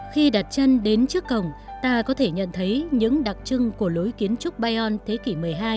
khi đặt chân đến trước cổng ta có thể nhận thấy những đặc trưng của lối kiến trúc bayon thế kỷ một mươi hai